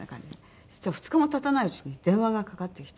そしたら２日も経たないうちに電話がかかってきて。